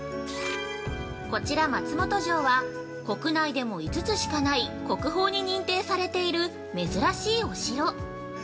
◆こちら松本城は、国内でも５つしかない国宝に認定されている珍しいお城。